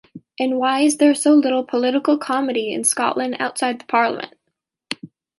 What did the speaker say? And why is there so little political comedy in Scotland outside the Parliament?